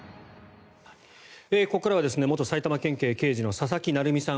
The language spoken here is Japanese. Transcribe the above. ここからは元埼玉県警刑事の佐々木成三さん